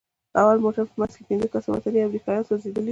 د اول موټر په منځ کښې پنځه کسه وطني امريکايان سوځېدلي وو.